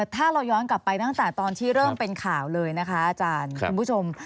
ถ้าเราย้อนกลับไปตั้งแต่ตอนที่เริ่มเป็นข่าวเลยนะคะอาจารย์คุณผู้ชม